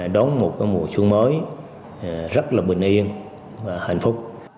đón một mùa xuân mới rất là bình yên và hạnh phúc